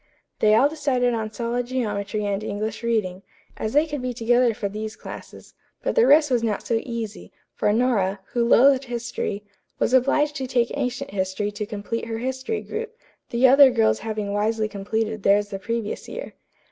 They all decided on solid geometry and English reading, as they could be together for these classes, but the rest was not so easy, for Nora, who loathed history, was obliged to take ancient history to complete her history group, the other girls having wisely completed theirs the previous year.